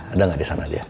ada gak di sana dia